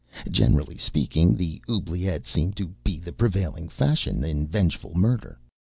Generally speaking, the oubliette seemed to be the prevailing fashion in vengeful murder.